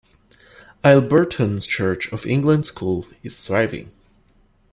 Aylburton Church of England School is thriving.